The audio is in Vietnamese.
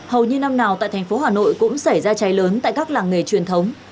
hầu như năm nào tại thành phố hà nội cũng xảy ra cháy lớn tại các làng nghề truyền thống